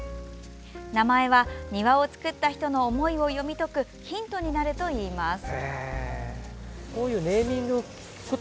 名前は庭を造った人の思いを読み解くヒントになるといいます。